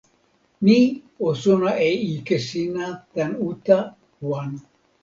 mi o sona e ike sina tan uta wan.